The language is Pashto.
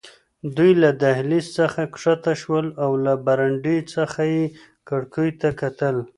دوی له دهلېز څخه کښته شول او له برنډې څخه یې کړکیو ته کتل.